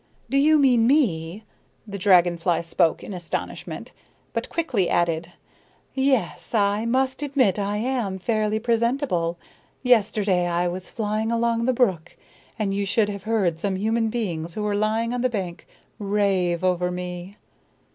"Do you mean me?" The dragon fly spoke in astonishment, but quickly added: "Yes, I must admit I am fairly presentable. Yesterday I was flying along the brook, and you should have heard some human beings who were lying on the bank rave over me."